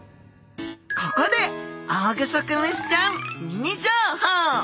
ここでオオグソクムシちゃんミニ情報！